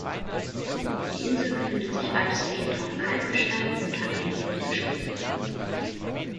Die Insel befindet sich weitestgehend auf Kalkgestein und hat wenig Niederschläge.